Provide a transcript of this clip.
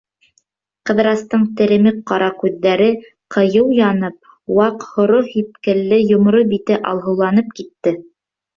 Ҡыҙырастың теремек ҡара күҙҙәре ҡыйыу янып, ваҡ һоро һипкелле йомро бите алһыуланып китте.